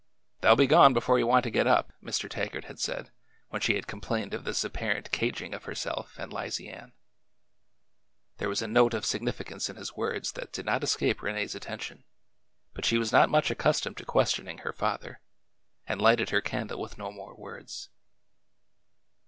They 'll be gone before you want to get up," Mr. Taggart had said when she had complained of this appar ent caging of herself and Lizy Ann. There was a note of significance in his words that did not escape Rene's attention, but she was not much accustomed to ques tioning her father, and lighted her candle with no more words.